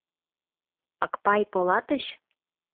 Акпай Полатыч?